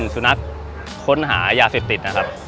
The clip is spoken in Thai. ๓ซูนักค้นหายาเสพติด